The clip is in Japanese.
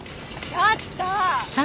ちょっと！